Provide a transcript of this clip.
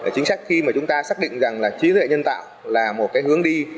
chính sách khi mà chúng ta xác định rằng là trí tuệ nhân tạo là một cái hướng đi